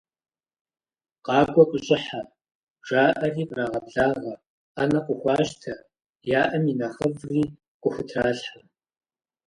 Къакӏуэ, къыщӏыхьэ!- жаӏэри кърагъэблагъэ, ӏэнэ къыхуащтэ, яӏэм и нэхъыфӏри къыхутралъхьэ.